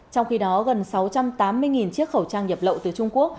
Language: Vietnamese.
trong khi đó gần sáu trăm tám mươi chiếc khẩu trang nhập lậu từ trung quốc